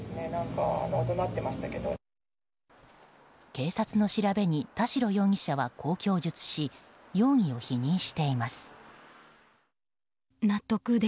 警察の調べに、田代容疑者はこう供述し容疑を否認しています。